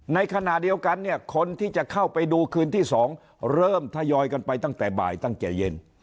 ในขณะเดียวกันเนี่ยคนที่จะเข้าไปดูคืนที่๒เริ่มทยอยกันไปตั้งแต่บ่ายตั้งแต่เย็น